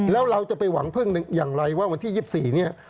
แล้วเราจะไปหวังพึ่งอย่างไรว่าวันที่๒๔เนี่ย